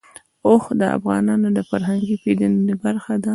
اوښ د افغانانو د فرهنګي پیژندنې برخه ده.